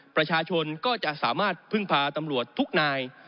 ประชาชนก็จะสามารถพึ่งพาตำรวจทุกนาย